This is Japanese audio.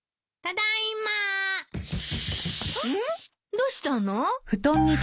どうしたの？